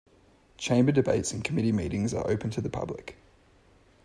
Chamber debates and committee meetings are open to the public.